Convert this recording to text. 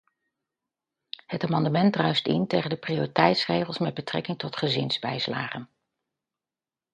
Het amendement druist in tegen de prioriteitsregels met betrekking tot gezinsbijslagen.